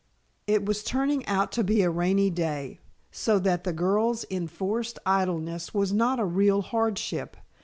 It was turning out to be a rainy day, so that the girls' enforced idleness was not a real hardship.